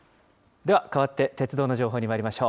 では、変わって鉄道の情報にまいりましょう。